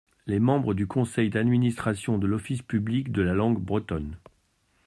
Les membres du conseil d’administration de l’office public de la langue bretonne.